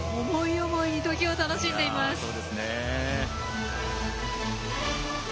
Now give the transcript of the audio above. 思い思いに時を楽しんでいます。